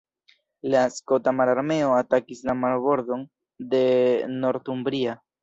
La skota mararmeo atakis la marbordon de Northumbria.